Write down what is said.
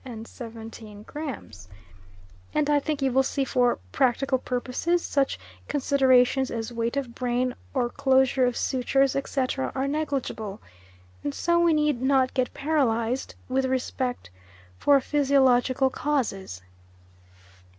1417 " and I think you will see for practical purposes such considerations as weight of brain, or closure of sutures, etc., are negligible, and so we need not get paralysed with respect for "physiological causes."